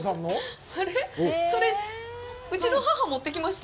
それ、うちの母持ってきました？